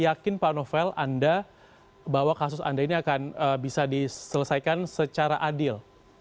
yakin pak novel anda bahwa kasus anda ini akan bisa diselesaikan secara adil